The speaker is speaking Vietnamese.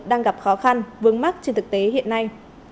đang gặp khó khăn vướng mắt trên thực tế hiện nay